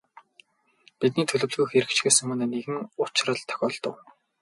Бидний төлөвлөгөө хэрэгжихээс өмнө нэгэн учрал тохиолдов.